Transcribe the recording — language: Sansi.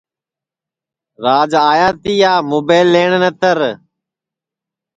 راج آیا تیا مُبیل لئیٹؔے نتر